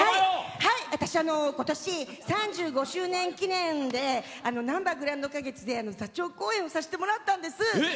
私は今年３５周年記念でなんばグランド花月で座長公演をさせてもらったんです。